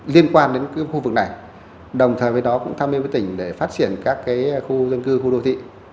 liên quan đến cái khu vực này đồng thời với đó cũng tham hiu với tỉnh để phát triển các cái khu dân cư khu đô thị